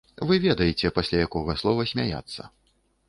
Вы ведаеце, пасля якога слова смяяцца.